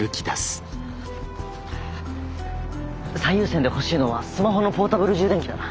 最優先で欲しいのはスマホのポータブル充電器だな。